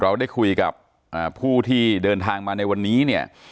เราได้คุยกับผู้ที่เดินทางมาในวันนี้เนี่ย